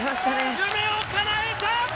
夢をかなえた。